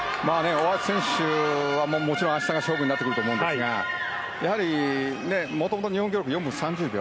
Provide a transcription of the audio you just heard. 大橋選手はもちろん明日が勝負になると思いますがやはり、もともと日本記録は４分３０秒。